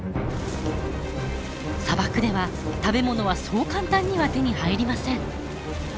砂漠では食べ物はそう簡単には手に入りません。